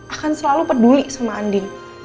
akan selalu peduli sama andin